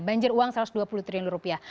banjir uang satu ratus dua puluh triliun rupiah